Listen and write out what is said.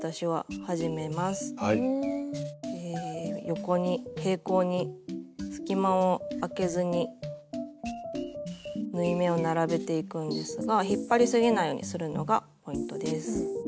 横に平行に隙間をあけずに縫い目を並べていくんですが引っ張りすぎないようにするのがポイントです。